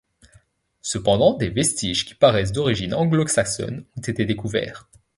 Cependant des vestiges qui paraissent d'origine anglo-saxonne ont été découverts.